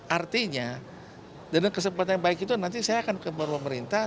artinya dengan kesempatan yang baik itu nanti saya akan ke pemerintah